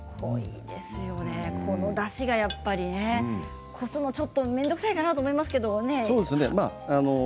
このだしがやっぱりね面倒くさいかなと思いますけどね。